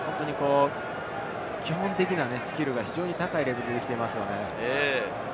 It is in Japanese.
基本的なスキルが非常に高いレベルでできていますよね。